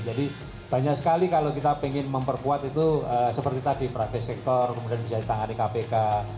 jadi banyak sekali kalau kita ingin memperkuat itu seperti tadi private sector kemudian bisa ditangani kpk